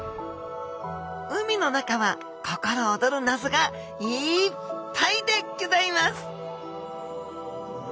海の中は心おどる謎がいっぱいでギョざいます！